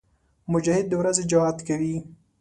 مجاهد د ورځې جهاد کوي.